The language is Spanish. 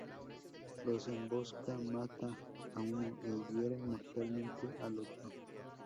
Los embosca, mata a uno e hiere mortalmente al otro.